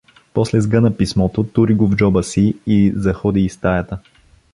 После сгъна писмото, тури го в джоба си и заходи из стаята.